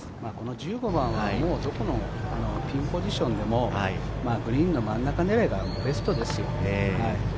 １５番はどこのピンポジションでも、グリーンの真ん中狙いがベストですよ。